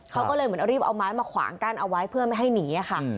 เขาก็เลยเหมือนรีบเอาไม้มาขวางกั้นเอาไว้เพื่อไม่ให้หนีค่ะ